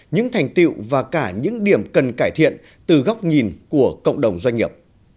những thành tiệu và cả những điểm cần cải thiện từ góc nhìn của cộng đồng doanh nghiệp